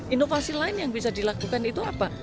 inovasi lain yang bisa dilakukan itu apa